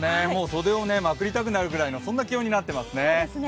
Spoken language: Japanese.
袖をまくりたくなるようなそんな気温になっていますね。